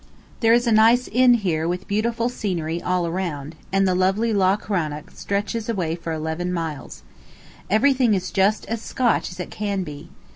There is a nice inn here with beautiful scenery all around, and the lovely Loch Rannoch stretches away for eleven miles. Everything is just as Scotch as it can be.